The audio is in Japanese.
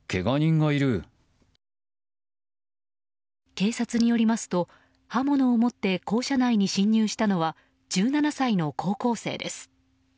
警察によりますと刃物を持って校舎内に侵入したのは１７歳の高校生です。